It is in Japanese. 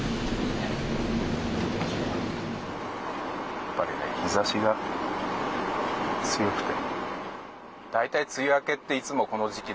やっぱりね、日差しが強くて。